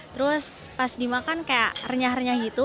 terus pas dimakan kayak renyah renyah gitu